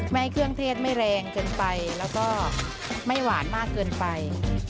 ให้เครื่องเทศไม่แรงเกินไปแล้วก็ไม่หวานมากเกินไป